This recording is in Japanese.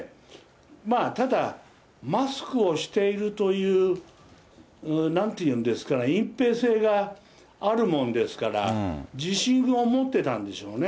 まあ、ただ、マスクをしているという、なんて言うんですかね、隠蔽性があるもんですから、自信を持ってたんでしょうね。